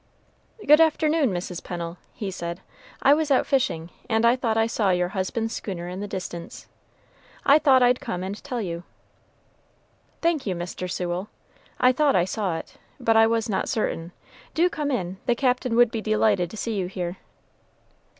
"Good afternoon, Mrs. Pennel," he said. "I was out fishing, and I thought I saw your husband's schooner in the distance. I thought I'd come and tell you." "Thank you, Mr. Sewell. I thought I saw it, but I was not certain. Do come in; the Captain would be delighted to see you here."